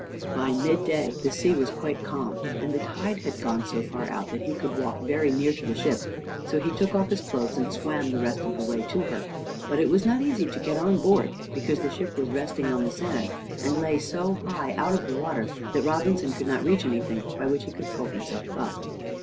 By midday the sea was quite calm, and the tide had gone so far out that he could walk very near to the ship. So he took off his clothes and swam the rest of the way to her. But it was not easy to get on board, because the ship was resting on the sand, and lay so high out of the water that Robinson could not reach anything by which he could pull himself up.